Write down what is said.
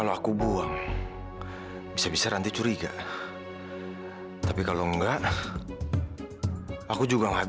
sampai jumpa di video selanjutnya